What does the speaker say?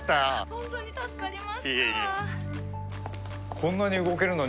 本当に助かりました